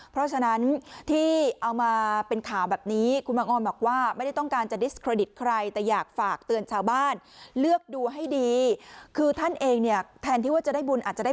เพราะฉะนั้นที่เอามาเป็นข่าวแบบนี้